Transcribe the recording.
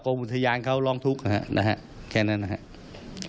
ก็กลงทะญานเขาร่องทุกข์แค่นั้นนะครับ